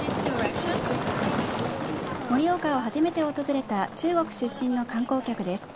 盛岡を初めて訪れた中国出身の観光客です。